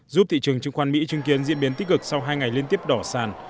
giúp thị trường chứng khoán mỹ chứng kiến diễn biến tích cực sau hai ngày liên tiếp đỏ sàn